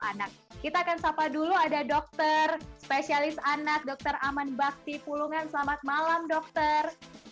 anak kita akan sapa dulu ada dokter spesialis anak dokter aman bakti pulungan selamat malam dokter